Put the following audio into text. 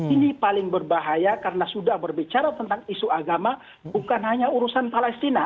ini paling berbahaya karena sudah berbicara tentang isu agama bukan hanya urusan palestina